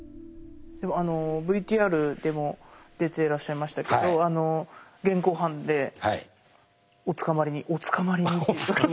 あのＶＴＲでも出てらっしゃいましたけど現行犯でお捕まりにお捕まりにっていう。